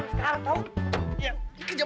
sampai sekarang tau